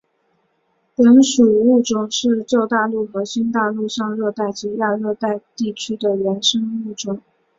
本属物种是旧大陆和新大陆上热带及亚热带地区的原生物种。